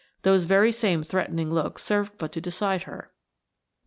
Those very same threatening looks served but to decide her.